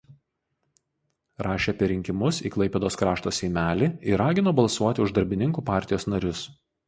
Rašė apie rinkimus į Klaipėdos krašto seimelį ir ragino balsuoti už Darbininkų partijos narius.